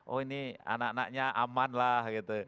oh ini anak anaknya aman lah gitu